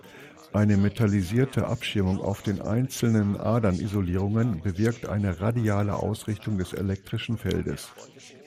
Eine metallisierte Abschirmung auf den einzelnen Adern-Isolierungen bewirkt eine radiale Ausrichtung des elektrischen Feldes.